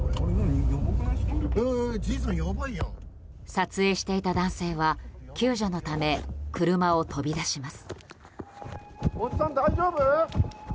撮影していた男性は救助のため、車を飛び出します。